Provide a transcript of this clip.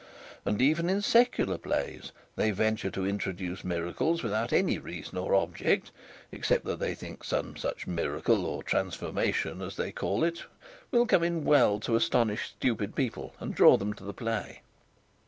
And even in secular plays they venture to introduce miracles without any reason or object except that they think some such miracle, or transformation as they call it, will come in well to astonish stupid people and draw them to the play.